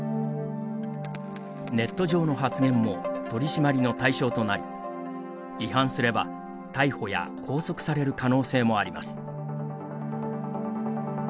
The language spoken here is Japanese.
ネット上の発言も取り締まりの対象となり違反すれば、逮捕や拘束される可能性もあります。